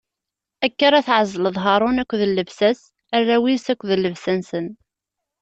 Akka ara tɛezleḍ Haṛun akked llebsa-s, arraw-is akked llebsa-nsen.